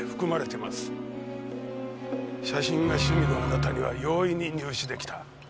写真が趣味のあなたには容易に入手できた。